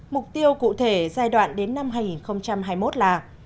mục tiêu cụ thể giai đoạn đến năm hai nghìn hai mươi một là